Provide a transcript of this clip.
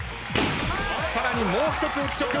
さらにもう一つ浮所君。